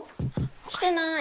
・来てない。